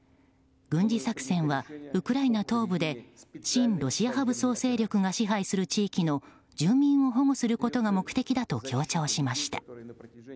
軍事作戦はウクライナ東部で親ロシア派武装勢力が支配する地域の住民を保護することが目的だと強調しました。